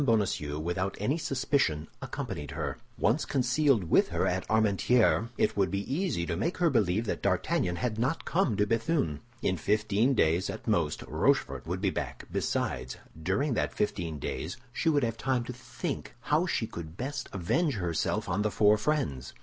Bonacieux, without any suspicion, accompanied her. Once concealed with her at Armentières, it would be easy to make her believe that D'Artagnan had not come to Béthune. In fifteen days at most, Rochefort would be back; besides, during that fifteen days she would have time to think how she could best avenge herself on the four friends.